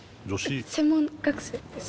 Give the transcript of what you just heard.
専門学生です。